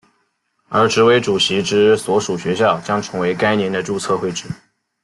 而执委主席之所属学校将成为该年的注册会址。